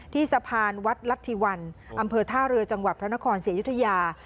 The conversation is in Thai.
ที่สะพานวัดรัฐธิวันอำเภอท่าเรือจังหวัดพระนครศรีอยุธยา